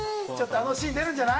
あのシーン出るんじゃない。